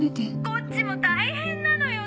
こっちも大変なのよ！